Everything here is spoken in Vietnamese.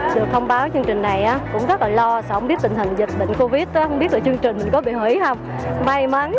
được thông báo chương trình này cũng rất là lo sao không biết tình hình dịch bệnh covid không biết là chương trình mình có bị hủy không